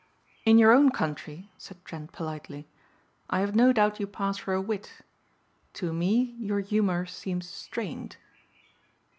"In your own country," said Trent politely, "I have no doubt you pass for a wit. To me your humor seems strained."